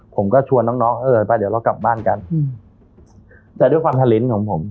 ผมก็ชวนน้องน้องเออไปเดี๋ยวเรากลับบ้านกันแต่ด้วยความทาลิ้นของผม